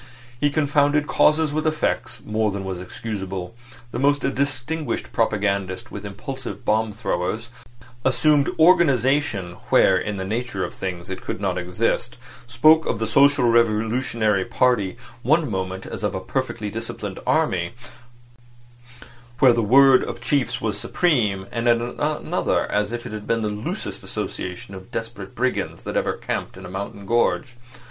He confounded causes with effects more than was excusable; the most distinguished propagandists with impulsive bomb throwers; assumed organisation where in the nature of things it could not exist; spoke of the social revolutionary party one moment as of a perfectly disciplined army, where the word of chiefs was supreme, and at another as if it had been the loosest association of desperate brigands that ever camped in a mountain gorge.